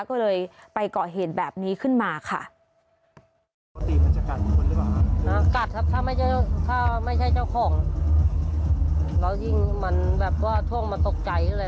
ก็เลยไปเกาะเหตุแบบนี้ขึ้นมาค่ะ